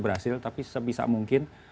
berhasil tapi sebisa mungkin